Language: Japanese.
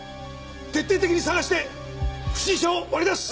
徹底的に捜して不審者を割り出す！